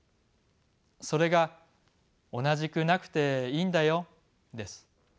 それが“おなじくなくていいんだよ”です。